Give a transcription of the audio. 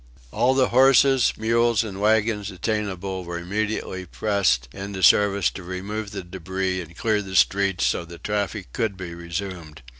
All the horses, mules and wagons obtainable were immediately pressed into service to remove the debris and clear the streets so that traffic could be resumed.